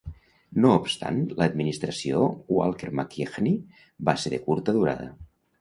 No obstant, l'administració Walker-McKeachnie va ser de curta durada.